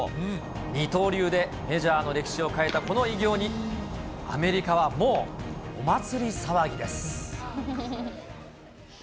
二刀流でメジャーの歴史を変えたこの偉業に、アメリカはもう、お祭り騒ぎです。